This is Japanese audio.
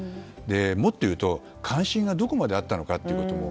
もっと言うと関心がどこまであったのかということも。